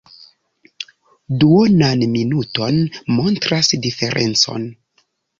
Duonan minuton montras diferencon.